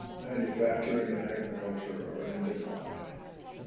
Manufacturing and agriculture are in decline.